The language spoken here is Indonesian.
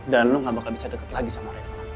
dan lo gak bakal bisa deket lagi sama reva